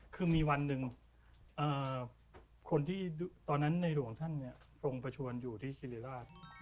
คือมีวันหนึ่งคนที่ตอนนั้นในหลวงท่านทรงประชวนอยู่ที่สิริราช